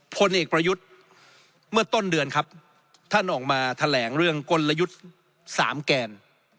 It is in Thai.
พลเอกประยุทธ์เมื่อต้นเดือนครับท่านออกมาแถลงเรื่องกลยุทธ์สามแกน